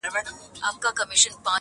دا وطن به خپل مالک ته تسلمیږي!.